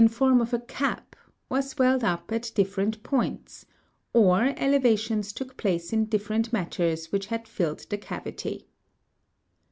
form of a cap, or swelled up at different points, or elevations took place in different matters which had filled the cavity.